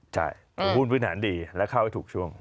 ใช่ถือหุ้นพื้นฐานดีและเข้าให้ถูกช่วง